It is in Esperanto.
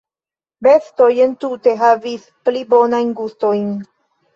"Bestoj entute havis pli bonajn gustojn."